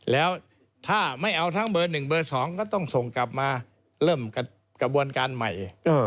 แล้วถ้าไม่เอาทั้งเบอร์๑เบอร์๒ก็ต้องส่งกลับมาเริ่มกระบวนการใหม่